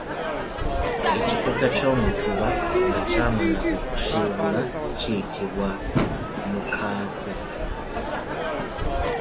Ekikuta ky’omutuba nga kyamala okusubula kiyitibwa Mukaaku.